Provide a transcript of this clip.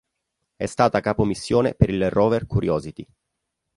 È stata capo missione per il rover Curiosity.